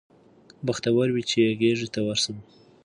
بختور وي چي یې زه غیږي ته ورسم